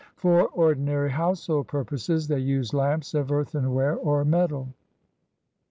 For ordinary household purposes they use lamps of earthenware or metal.